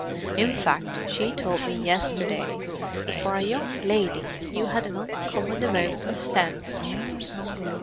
In fact, she told me yesterday, that for a young lady you had an uncommon amount of sense!"